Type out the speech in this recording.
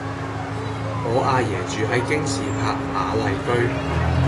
我阿爺住喺京士柏雅麗居